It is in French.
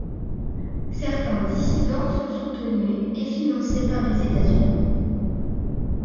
Certains dissidents sont soutenus et financés par les États-Unis.